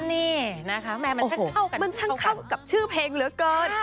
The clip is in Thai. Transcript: นี่นะคะแม้มันช่างเข้ากับชื่อเพลงเหลือเกิน